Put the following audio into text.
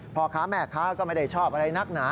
พ่อค้าแม่ค้าก็ไม่ได้ชอบอะไรนักหนา